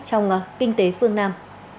trong kinh tế phương nam